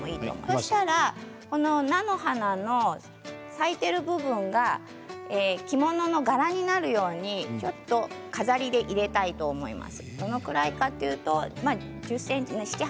そうしたら菜の花の咲いている部分が着物の柄になるように飾りで入れたいと思います。